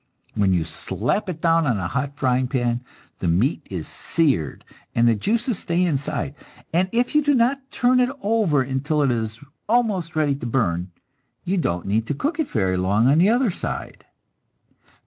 When you slap it down on a hot frying pan, the meat is seared, and the juices stay inside, and if you do not turn it over until it is almost ready to burn, you don't need to cook it very long on the other side.